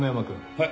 はい。